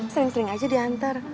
sering sering aja diantar